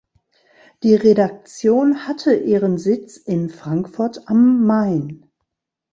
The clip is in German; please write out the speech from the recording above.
Die Redaktion hatte ihren Sitz in Frankfurt am Main.